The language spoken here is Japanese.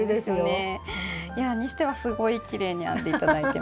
にしてはすごいきれいに編んで頂いてます。